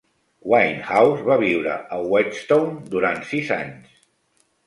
Winehouse va viure a Whetstone durant sis anys.